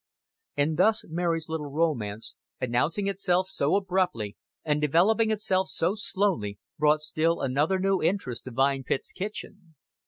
And thus Mary's little romance, announcing itself so abruptly and developing itself so slowly, brought still another new interest to Vine Pits kitchen.